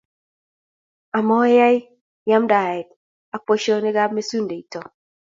Amoyai yamdaet ak boisionikab mesundeito.